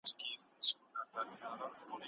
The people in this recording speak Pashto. ښوونکی وویل چي هڅه اړینه ده.